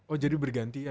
oh jadi berganti ya